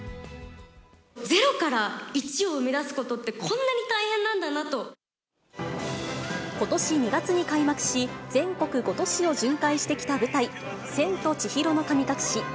０から１を生み出すことってことし２月に開幕し、全国５都市を巡回してきた舞台、千と千尋の神隠し。